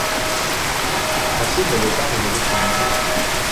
Rachid ne veut pas révéler son nom de famille.